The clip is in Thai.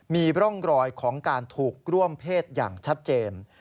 มีร่องรอยของการถูกร่วมเพศอย่างชัดเจน